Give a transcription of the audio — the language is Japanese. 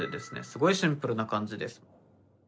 すごいシンプルな感じです。